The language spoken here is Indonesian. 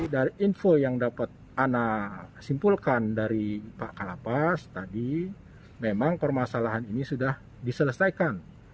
dari info yang dapat ana simpulkan dari pak kalapas tadi memang permasalahan ini sudah diselesaikan